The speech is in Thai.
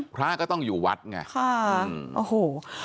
พระก็ต้องอยู่วัดไงค่ะโอ้โห